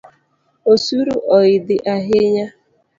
Osuru oidhi ahinya